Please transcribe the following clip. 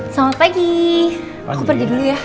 selamat pagi aku pergi dulu ya